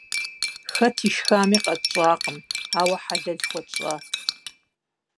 Хэт ишхами къэтщӏакъым, ауэ хьэлэл хуэтщӏат.